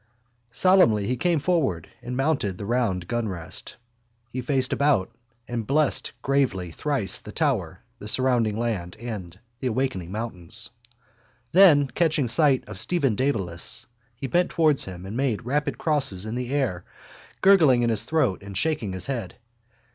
Solemnly he came forward and mounted the round gunrest. He faced about and blessed gravely thrice the tower, the surrounding land and the awaking mountains. Then, catching sight of Stephen Dedalus, he bent towards him and made rapid crosses in the air, gurgling in his throat and shaking his head.